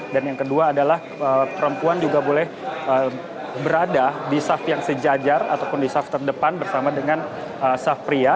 dan yang kedua adalah perempuan juga boleh berada di saf yang sejajar ataupun di saf terdepan bersama dengan saf pria